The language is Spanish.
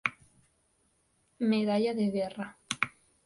Medalla de guerra.